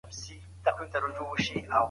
سپورت د ناسالمو مصروفیتونو مخه نیسي.